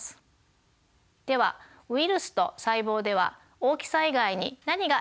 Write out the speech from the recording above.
ではウイルスと細胞では大きさ以外に何が違うのでしょうか？